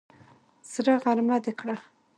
سره غرمه دې کړه!